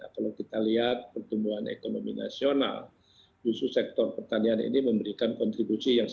kalau kita lihat pertumbuhan ekonomi nasional justru sektor pertanian ini memberikan kontribusi